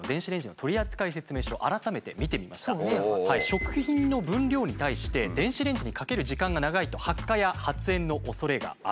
食品の分量に対して電子レンジにかける時間が長いと発火や発煙のおそれがある。